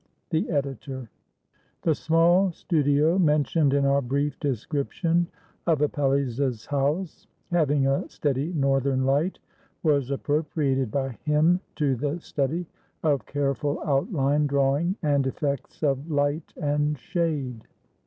The Editor] The small studio mentioned in our brief description of Apelles's house, having a steady northern light, was appropriated by him to the study of careful outline drawing and effects of light and shade.